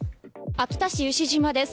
秋田市牛島です。